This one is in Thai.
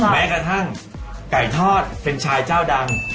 แม้กระทั่งไก่ทอดเป็นชายเจ้าดัง